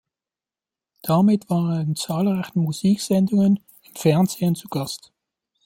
Damit war er in zahlreichen Musiksendungen im Fernsehen zu Gast.